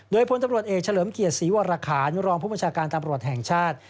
โดยพลตำรวจเอกเฉลิมเกียรติศรีวรคารรองผู้บัญชาการตำรวจแห่งชาติ